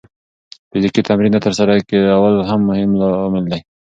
فزیکي تمرین نه ترسره کول هم مهم لامل دی.